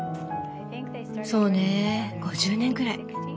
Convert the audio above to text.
そうね５０年くらい。